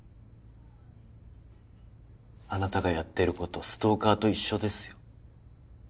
あなたがやってることストーカーと一緒ですよ。